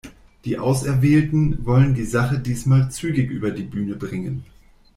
Die Auserwählten wollen die Sache diesmal zügig über die Bühne bringen.